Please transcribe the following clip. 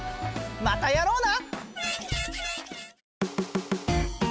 またやろうな！